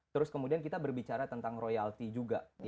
terus kemudian kita berbicara tentang royalti juga